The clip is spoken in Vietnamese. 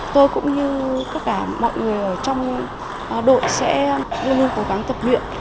tôi cũng như tất cả mọi người ở trong đội sẽ luôn luôn cố gắng tập luyện